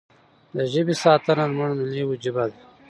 د ژبې ساتنه زموږ ملي وجیبه ده.